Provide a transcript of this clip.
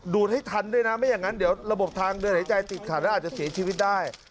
ให้ทันด้วยนะไม่อย่างนั้นเดี๋ยวระบบทางเดินหายใจติดขัดแล้วอาจจะเสียชีวิตได้